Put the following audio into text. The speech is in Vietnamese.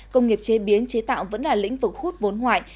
công nghiệp chế biến chế tạo vẫn là lĩnh vực hút vốn ngoại